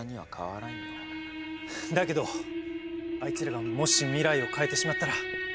だけどあいつらがもし未来を変えてしまったら。